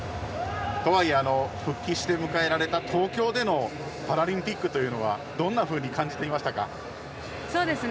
とはいえ復帰して迎えられた東京でのパラリンピックはどんなふうに感じていましたか？